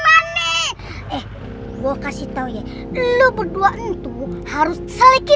eh gua kasih tau ye lu berdua entu harus selidiki